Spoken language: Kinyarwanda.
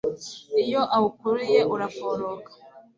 Iyo awukuruye uraforoka